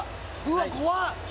うわっ怖い。